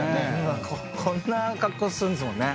こんな格好するんですもんね。